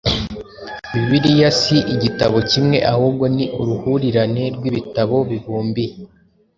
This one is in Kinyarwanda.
Bibiliya si igitabo kimwe ahubwo ni uruhurirane rw‟ibitabo bibumbiye